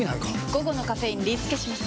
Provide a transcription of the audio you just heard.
午後のカフェインリスケします！